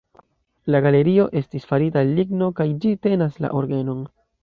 La galerio estis farita el ligno kaj ĝi tenas la orgenon.